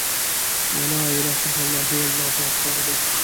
وَلَا إِلَهَ إلَّا اللهُ، وَاللهُ أكْبَرُ دي .